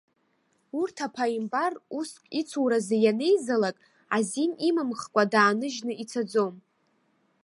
Урҭ аԥааимбар уск ицуразы ианеизалак, азин имымхкәа дааныжьны ицаӡом.